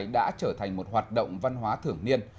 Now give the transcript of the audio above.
đã trở thành một hoạt động văn hóa thưởng niên